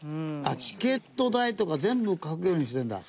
チケット代とか全部書けるようにしてるんだ。